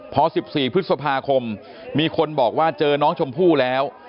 พอ๑๔พฤษภาคมมีคนบอกว่าเจอน้องชมพู่แล้ว